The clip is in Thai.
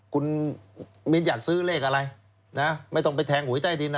คุณมินอยากซื้อเลขอะไรนะไม่ต้องไปแทงหวยใต้ดินนะ